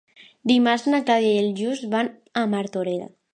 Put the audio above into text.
Dimarts na Clàudia i en Lluc van a Martorell.